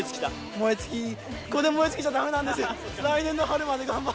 燃え尽き、ここで燃え尽きちゃだめなんですよ。